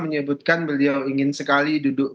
menyebutkan beliau ingin sekali duduk